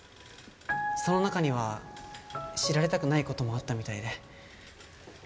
その中には知られたくない事もあったみたいで。